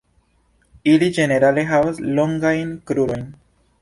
Ili ĝenerale havas longajn krurojn.